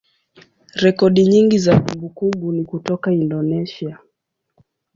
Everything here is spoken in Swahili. rekodi nyingi za kumbukumbu ni kutoka Indonesia.